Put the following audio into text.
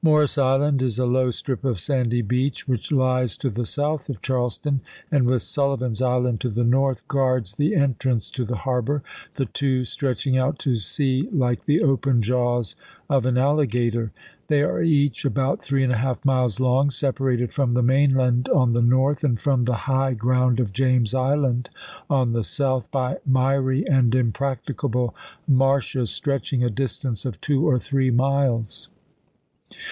Morris Island is a low strip of sandy beach, which lies to the south of Charleston and, with Sullivan's Island to the north, guards the entrance to the harbor, the two stretching out to sea like the open jaws of an alligator. They are each about three and a half miles long, separated from the mainland on the north, and from the high ground of James Island on the south, by miry and impracticable marshes stretching a distance of two or three miles.